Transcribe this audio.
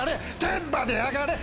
天まであがれ。